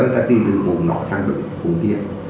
ta đi từ vùng nọ sang vùng kia